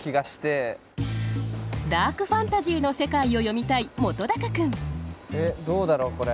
ダークファンタジーの世界を詠みたい本君えっどうだろうこれ。